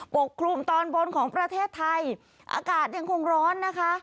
กลุ่มตอนบนของประเทศไทยอากาศยังคงร้อนนะคะ